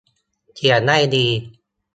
เขียนได้ดี